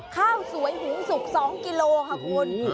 ข้าวสวยหุงสุก๒กิโลค่ะคุณ